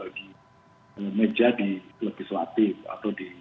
jadi sekarang audikasi ini dan apa saja spokesman di popis ini